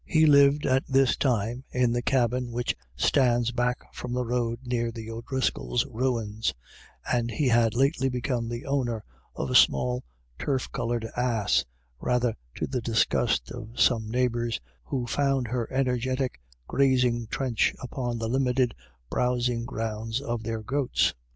He lived at this time in the cabin which stands back from the road near the O'Driscolls' ruins, and he had lately become the owner of a small turf coloured ass, rather to the disgust of some neigh bours, who found her energetic grazing trench upon the limited browsing grounds of their goats.